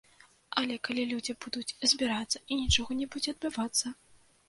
Але калі людзі будуць збірацца і нічога не будзе адбывацца?